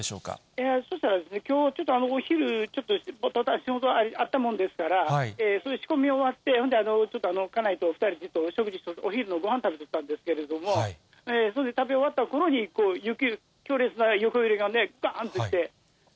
いやぁ、そしたらですね、きょう、ちょっとお昼、ちょっと仕事あったもんですから、その仕込み終わって、それでちょっと家内と２人で、お食事、お昼のごはん食べてたんですけれども、それで食べ終わったころに強烈な横揺れがね、ばーんときて。